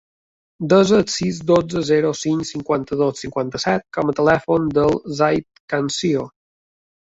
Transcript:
Desa el sis, dotze, zero, cinc, cinquanta-dos, cinquanta-set com a telèfon del Zayd Cancio.